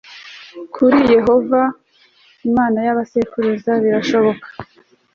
kuri yehova imana ya ba sekuruza birashoboka